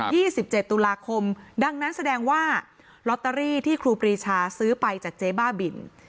สิบเจ็ดตุลาคมดังนั้นแสดงว่าลอตเตอรี่ที่ครูปรีชาซื้อไปจากเจ๊บ้าบิน